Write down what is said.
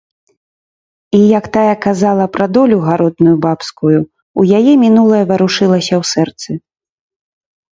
І, як тая казала пра долю гаротную бабскую, у яе мінулае варушылася ў сэрцы.